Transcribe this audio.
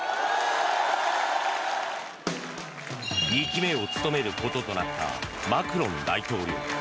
２期目を務めることとなったマクロン大統領。